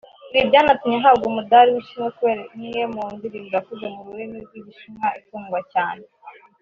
Ibi byanatumye ahabwa umudari w’ishimwe kubera imwe mu ndirimbo yakoze mu rurimi rw'igishinwa igakundwa cyane